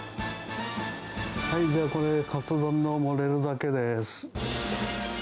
はい、じゃあこれ、カツ丼の盛れるだけです。